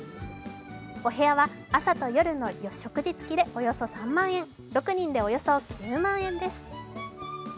お部屋や朝と夜の食事つきでおよそ３万円、６人でおよそ９万円です。